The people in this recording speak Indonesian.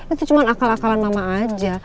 itu cuma akal akalan mama aja